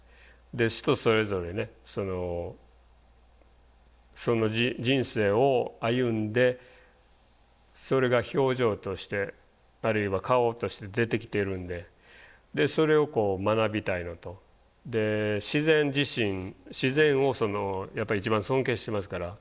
人それぞれねその人生を歩んでそれが表情としてあるいは顔として出てきてるんでそれを学びたいのとで自然自身自然をやっぱり一番尊敬してますから。